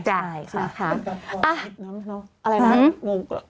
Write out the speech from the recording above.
ใช่ค่ะ